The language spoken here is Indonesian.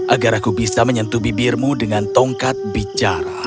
agar aku bisa menyentuh bibirmu dengan tongkat bicara